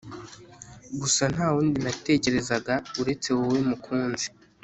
gusa ntawundi natekerezaga uretse wowe mukunzi